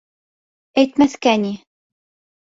— Әйтмәҫкә ни...